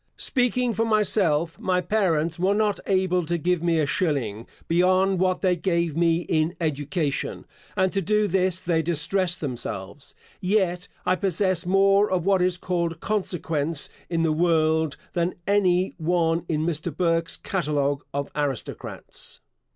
Speaking for myself, my parents were not able to give me a shilling, beyond what they gave me in education; and to do this they distressed themselves: yet, I possess more of what is called consequence, in the world, than any one in Mr. Burke's catalogue of aristocrats.